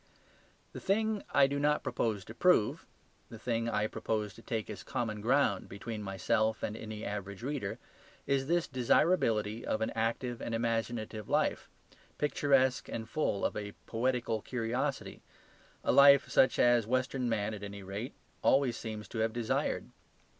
The thing I do not propose to prove, the thing I propose to take as common ground between myself and any average reader, is this desirability of an active and imaginative life, picturesque and full of a poetical curiosity, a life such as western man at any rate always seems to have desired.